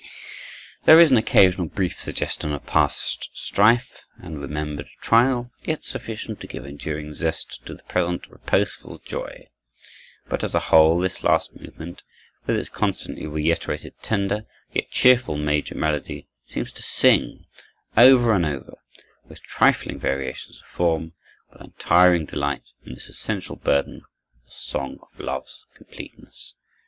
There is an occasional brief suggestion of past strife and remembered trial, just sufficient to give enduring zest to the present, reposeful joy; but, as a whole, this last movement, with its constantly reiterated tender yet cheerful major melody, seems to sing over and over, with trifling variations of form, but untiring delight in its essential burden, the song of love's completeness.